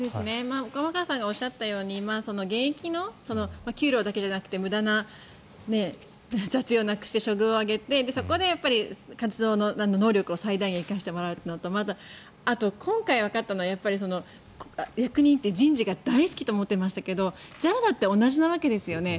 玉川さんがおっしゃったように現役の給料だけじゃなくて無駄な雑用をなくして処遇を上げてそこで活動の能力を最大限生かしてもらうのとあと、今回わかったのは役人って人事が大好きと思ってましたけどＪＡＬだって同じなわけですよね。